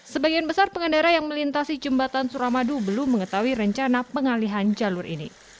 sebagian besar pengendara yang melintasi jembatan suramadu belum mengetahui rencana pengalihan jalur ini